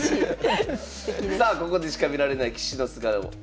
さあここでしか見られない棋士の素顔